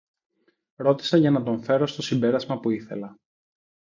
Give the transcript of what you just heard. ρώτησα για να τον φέρω στο συμπέρασμα που ήθελα.